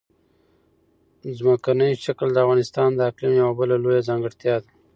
ځمکنی شکل د افغانستان د اقلیم یوه بله لویه ځانګړتیا ده.